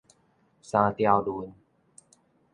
三條崙